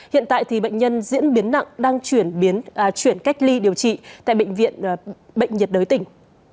hiện tại thì bệnh nhân diễn biến nặng đang chuyển cách ly điều trị tại bệnh viện bệnh nhiệt đới tỉnh